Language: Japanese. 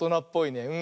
うん。